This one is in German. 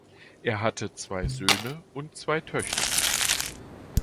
Er hatte zwei Söhne und zwei Töchter.